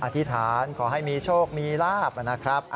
อธิษฐานขอให้มีโชคมีลาบนะครับ